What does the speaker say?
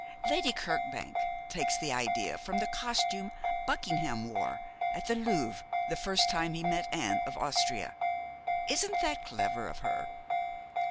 Lady Kirkbank takes the idea from the costume Buckingham wore at the Louvre the first time he met Anne of Austria. Isn't that clever of her?